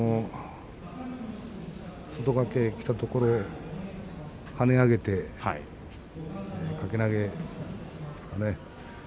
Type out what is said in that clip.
外掛け、きたところを跳ね上げて掛け投げですかね。